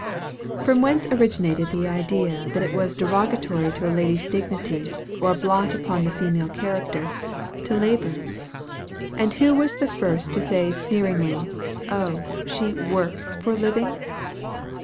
From whence originated the idea, that it was derogatory to a lady's dignity, or a blot upon the female character, to labor? and who was the first to say sneeringly, "Oh, she works for a living?"